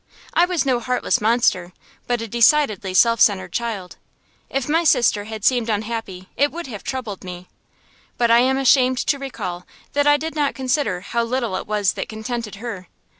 I was no heartless monster, but a decidedly self centred child. If my sister had seemed unhappy it would have troubled me; but I am ashamed to recall that I did not consider how little it was that contented her.